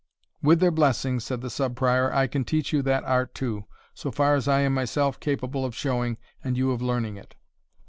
"With their blessing," said the Sub Prior, "I can teach you that art too, so far as I am myself capable of showing, and you of learning it."